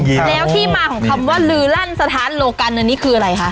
แล้วที่มาของคำว่าลือลั่นสถานโลกันอันนี้คืออะไรคะ